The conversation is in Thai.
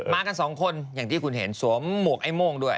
กันสองคนอย่างที่คุณเห็นสวมหมวกไอ้โม่งด้วย